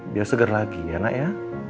biar segar lagi enak ya